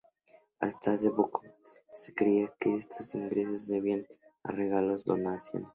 Hasta hace poco, se creía que esos ingresos se debían a regalos o donaciones.